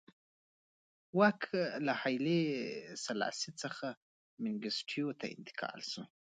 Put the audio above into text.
واک له هایلي سلاسي څخه منګیسټیو ته انتقال شو.